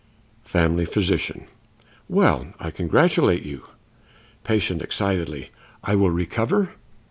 Family Physician: "Well, I congratulate you." Patient (excitedly): "I will recover?"